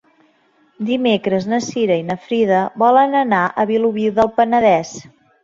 Dimecres na Cira i na Frida volen anar a Vilobí del Penedès.